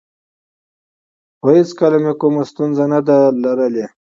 خو هېڅکله مې کومه ستونزه نه ده لرلې